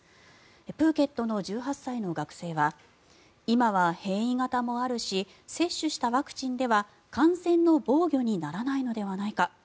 プーケットの１８歳の学生は今は変異型もあるし接種したワクチンでは感染の防御にならないのではないか。